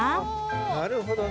なるほどね。